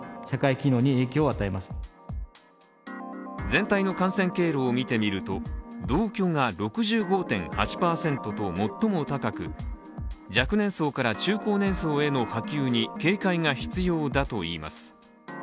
全体の感染経路を見てみると、同居が６５．８％と最も高く、若年層から中高年層への波及に警戒が必要だといいます。